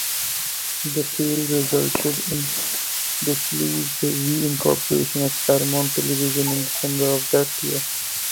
The sale resulted in Desilu's re-incorporation as Paramount Television in December of that year.